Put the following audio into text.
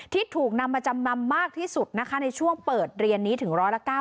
ที่ถูกนำมาจำนำมากที่สุดนะคะในช่วงเปิดเรียนนี้ถึง๑๙